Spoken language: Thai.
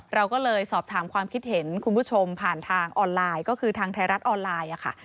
เราก็เลยสอบถามความคิดเห็นคุณผู้ชมผ่านทางออนไลน์ก็คือทางไทยรัฐออนไลน์ค่ะ